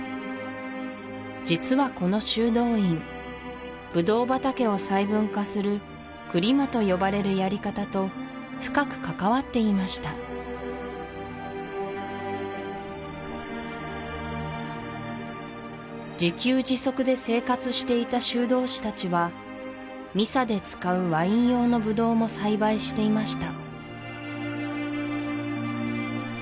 じつはこの修道院ブドウ畑を細分化するクリマと呼ばれるやり方と深く関わっていました自給自足で生活していた修道士達はミサで使うワイン用のブドウも栽培していました